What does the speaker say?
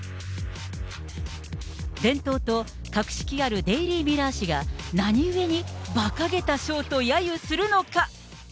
伝統と格式あるデイリー・ミラー紙が、何ゆえに、ばかげた賞とやゆするのか。